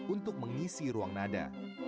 untuk mengisi ruang nada